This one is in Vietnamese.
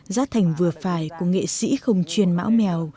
giá thành vừa phải của nghệ sĩ không chuyên mão mèo